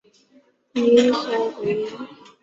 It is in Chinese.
第一郡是全市生活水平最高及最繁忙的一区。